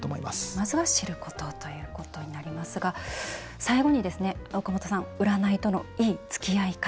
まずは知ることということになりますが最後に岡本さん占いとのいいつきあい方